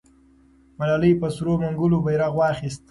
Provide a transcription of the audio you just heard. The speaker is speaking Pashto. ملالۍ په سرو منګولو بیرغ واخیست.